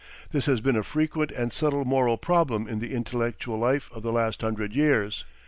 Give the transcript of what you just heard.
This has been a frequent and subtle moral problem in the intellectual life of the last hundred years.